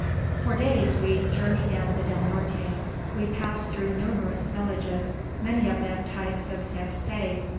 For days we journey down the Del Norte. We pass through numerous villages, many of them types of Santa Fe.